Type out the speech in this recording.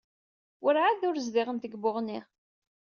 Werɛad ur zdiɣent deg Buɣni.